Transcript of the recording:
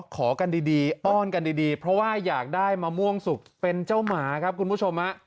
ขอกันดีอ้อนกันดีเพราะว่าอยากได้มะม่วงสุกเป็นเจ้าหมาครับคุณผู้ชม